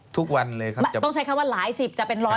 ทุกวันเลยครับ